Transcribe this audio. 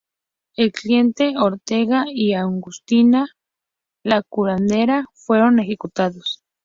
El cliente, Ortega, y Agustina, la curandera, fueron ejecutados.